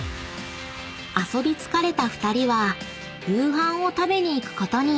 ［遊び疲れた２人は夕飯を食べに行くことに］